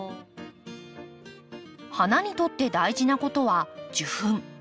花にとって大事なことは受粉。